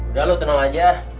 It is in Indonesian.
udah lu tenang aja